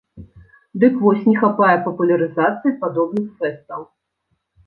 Дык вось не хапае папулярызацыі падобных фэстаў.